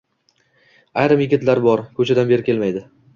Ayrim yigitlar bor: ko‘chadan beri kelmaydi